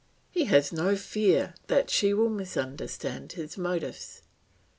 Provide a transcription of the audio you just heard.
He has no fear that she will misunderstand his motives.